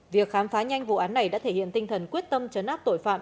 việc khám phá nhanh vụ án này đã thể hiện tinh thần quyết tâm chấn áp tội phạm